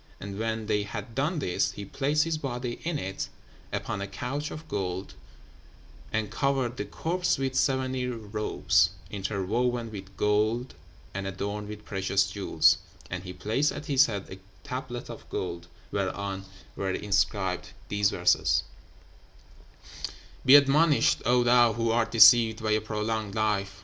And when they had done this, he placed his body in it, upon a couch of gold, and covered the corpse with seventy robes, interwoven with gold and adorned with precious jewels; and he placed at his head a tablet of gold, whereon were inscribed these verses: "'Be admonished, O thou who art deceived by a prolonged life!